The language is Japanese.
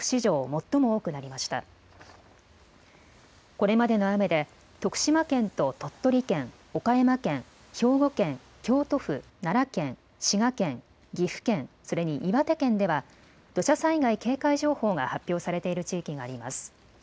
これまでの雨で徳島県と鳥取県、岡山県、兵庫県、京都府、奈良県、滋賀県、岐阜県、それに岩手県では土砂災害警戒情報が発表されている地域があります。